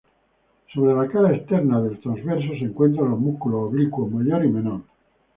Sobre la cara externa del transverso se encuentran los músculos oblicuos mayor y menor.